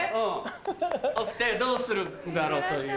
お２人どうするんだろうという。